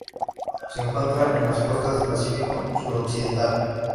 Se encuentra en las costas del Pacífico suroccidental